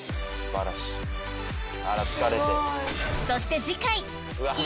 ［そして］